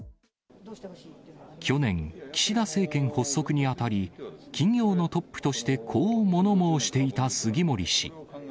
去年、岸田政権発足にあたり、企業のトップとしてこう物申していた杉森氏。